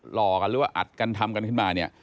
ห่อกันหรือว่าอัดกันทำกันขึ้นมาเนี่ย